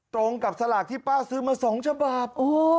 ตรงกับสลากที่ป้าซื้อมา๒ฉบับ